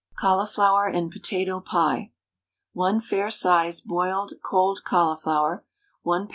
CAULIFLOWER AND POTATO PIE. 1 fair sized boiled (cold) cauliflower, 1 lb.